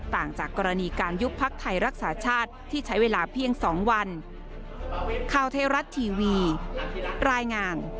ต่างจากกรณีการยุบพักไทยรักษาชาติที่ใช้เวลาเพียง๒วัน